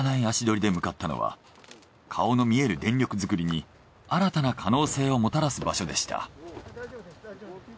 足取りで向かったのは顔の見える電力作りに新たな可能性をもたらす場所でした。